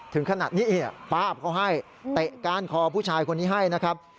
ถึงขนาดนี้ป้าบเขาให้เตะก้านคอผู้ชายคนนี้ให้นะครับ